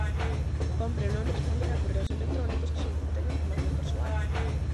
Cómpre non responder a correos electrónicos que soliciten información persoal.